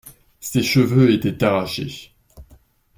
Ses cheveux étaient arrachés.